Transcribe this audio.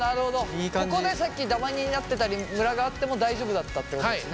ここでさっきダマになってたりムラがあっても大丈夫だったっていうことですね。